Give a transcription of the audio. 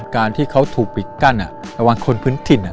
การที่เขาถูกปิดกั้นระหว่างคนพื้นถิ่น